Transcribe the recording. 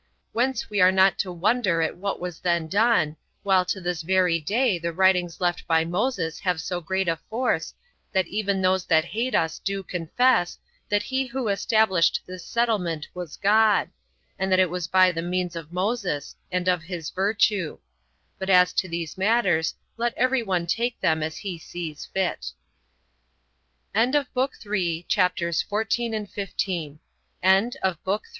Whence we are not to wonder at what was then done, while to this very day the writings left by Moses have so great a force, that even those that hate us do confess, that he who established this settlement was God, and that it was by the means of Moses, and of his virtue; but as to these matters, let every one take them as he thinks fit. FOOTNOTES: 1 (return) [ Dr. Bernard takes notice here, that this pl